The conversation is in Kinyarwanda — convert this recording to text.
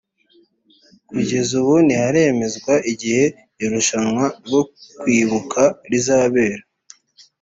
kugeza ubu ntiharemezwa igihe irushanwa ryo kwibuka ryazabera